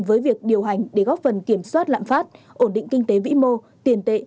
với việc điều hành để góp phần kiểm soát lạm phát ổn định kinh tế vĩ mô tiền tệ